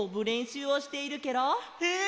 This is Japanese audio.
へえ！